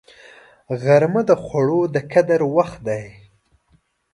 غرمه د خوړو د قدر وخت دی